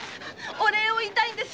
お礼を言いたいんです。